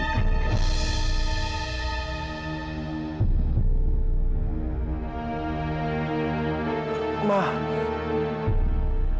anda dan keluarga anda jangan pernah lagi menangkap